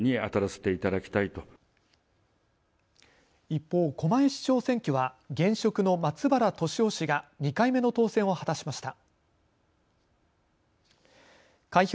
一方、狛江市長選挙は現職の松原俊雄氏が２回目の当選を果たしました。